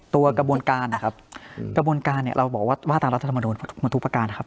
กระบวนการนะครับกระบวนการเนี่ยเราบอกว่าว่าตามรัฐธรรมนูลมาทุกประการนะครับ